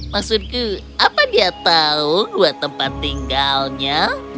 maksudku apa dia tahu buat tempat tinggalnya